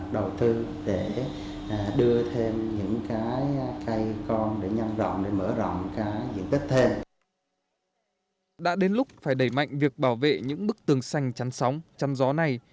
đã đến lúc phải đẩy mạnh việc bảo vệ những bức tường xanh chắn sóng chắn gió này